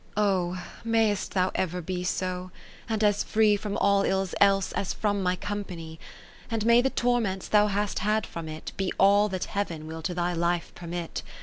Oh ! mayst thou ever be so, and as free From all ills else, as from my company ; And may the torments thou hast had from it, Be all that Heaven will to thy life permit.